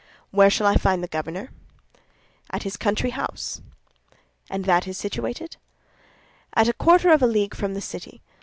"Where shall I find the governor?" "At his country house." "And that is situated?" "At a quarter of a league from the city.